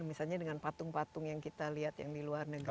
misalnya dengan patung patung yang kita lihat yang di luar negeri